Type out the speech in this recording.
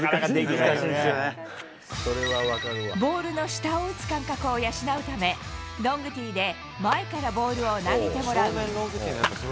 ボールの下を打つ感覚を養うため、ロングティーで前からボールを投げてもらう。